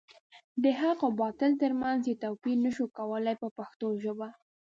د حق او باطل تر منځ یې توپیر نشو کولای په پښتو ژبه.